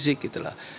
yang mungkin menguatkan